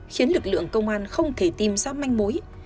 khiến lực lượng công an không thể tìm ra manh mối